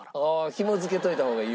ひも付けといた方がいい。